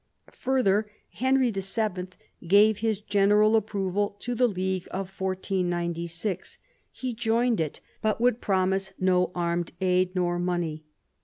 Further, Henry VII. gave his general approval to the League of 1496 ; he joined it, but would promise no armed aid nor money.